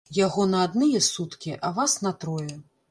Яго на адныя суткі, а вас на трое.